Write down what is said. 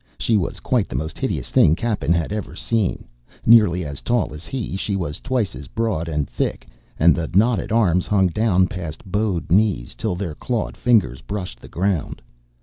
She was quite the most hideous thing Cappen had ever seen: nearly as tall as he, she was twice as broad and thick, and the knotted arms hung down past bowed knees till their clawed fingers brushed the ground.